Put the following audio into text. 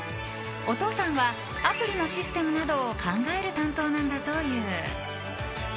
お父さんはアプリのシステムなどを考える担当なんだという。